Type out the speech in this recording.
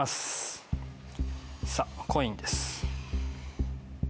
さあコインです。